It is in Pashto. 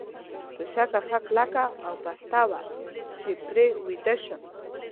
توشکه ښه کلکه او پسته وه، چې پرې ویده شم.